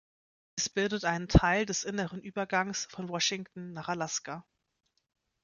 Es bildet einen Teil des inneren Übergangs von Washington nach Alaska.